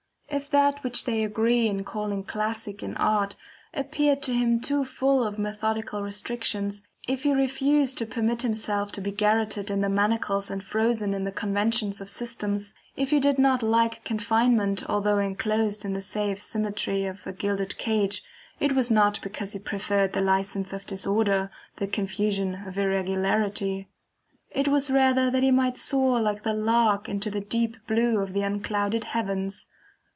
If that which they agree in calling classic in art appeared to him too full of methodical restrictions, if he refused to permit himself to be garroted in the manacles and frozen in the conventions of systems, if he did not like confinement although enclosed in the safe symmetry of a gilded cage, it was not because he preferred the license of disorder, the confusion of irregularity. It was rather that he might soar like the lark into the deep blue of the unclouded heavens.